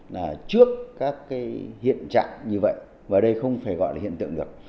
là trước các cái hiện trạng như vậy và đây không phải gọi là hiện tượng được